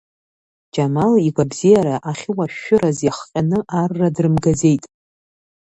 Џьамал игәабзиара ахьуашәшәыраз иахҟьаны арра дрымгаӡеит.